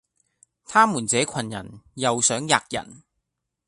他們這羣人，又想喫人，